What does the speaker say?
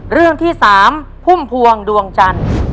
เรื่องที่๓พุ่มพวงดวงจันทร์